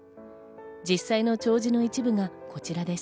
実際の弔辞の一部がこちらです。